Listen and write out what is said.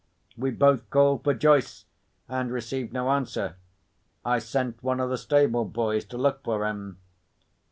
We both called for Joyce, and received no answer. I sent one of the stable boys to look for him.